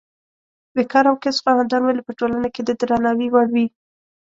د کار او کسب خاوندان ولې په ټولنه کې د درناوي وړ وي.